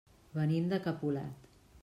Venim de Capolat.